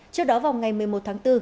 trước đó vào ngày một mươi một tháng bốn